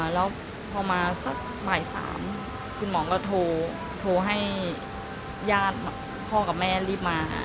แล้วพอมาสักบ่าย๓คุณหมอก็โทรให้ญาติพ่อกับแม่รีบมา